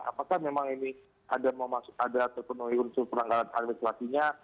apakah memang ini ada terpenuhi unsur pelanggaran administrasinya